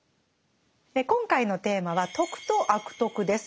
今回のテーマは「徳」と「悪徳」です。